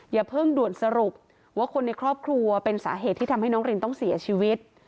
อย่าเพิ่งด่วนสรุปว่าคนในครอบครัวเป็นสาเหตุที่ทำให้น้องรินต้องเสียชีวิต